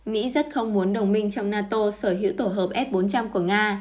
mỹ rất không muốn đồng minh trong nato sở hữu tổ hợp s bốn trăm linh của nga